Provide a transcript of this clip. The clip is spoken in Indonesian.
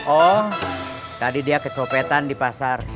oh tadi dia kecopetan di pasar